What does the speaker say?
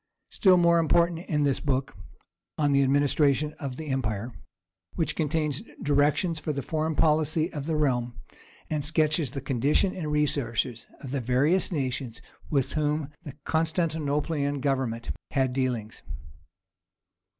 Still more important is the book, "On the Administration of the Empire," which contains directions for the foreign policy of the realm, and sketches the condition and resources of the various nations with whom the Constantinopolitan government had dealings.